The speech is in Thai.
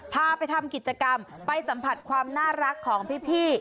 พาไปทำกิจกรรมไปสัมผัสความน่ารักของพี่